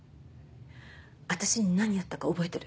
私に何やったか覚えてる？